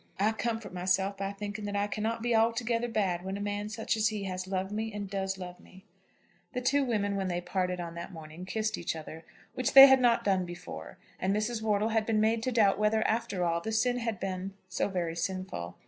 I comfort myself by thinking that I cannot be altogether bad when a man such as he has loved me and does love me." The two women, when they parted on that morning, kissed each other, which they had not done before; and Mrs. Wortle had been made to doubt whether, after all, the sin had been so very sinful.